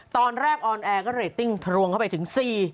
ตอนแรกออนแอร์ก็เรตติ้งทรวงเข้าไปถึง